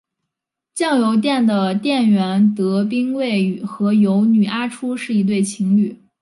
酱油店的店员德兵卫和游女阿初是一对情侣。